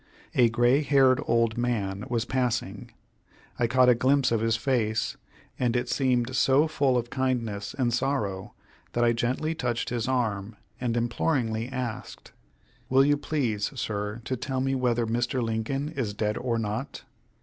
A gray haired old man was passing. I caught a glimpse of his face, and it seemed so full of kindness and sorrow that I gently touched his arm, and imploringly asked: "Will you please, sir, to tell me whether Mr. Lincoln is dead or not?"